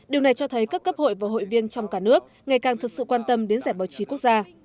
điều này cho thấy các cấp hội và hội viên trong cả nước ngày càng thực sự quan tâm đến giải báo chí quốc gia